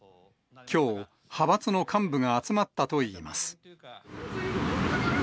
きょう、派閥の幹部が集まったといいます。